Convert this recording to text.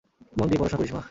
মন দিয়ে পড়াশোনা করিস, মা।